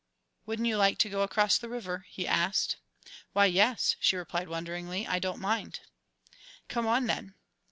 "Wouldn't you like to go across the river?" he asked. "Why, yes," she replied wonderingly, "I don't mind." "Come on, then."